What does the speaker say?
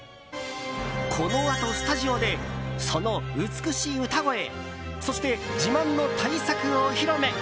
このあとスタジオでその美しい歌声そして自慢の大作をお披露目！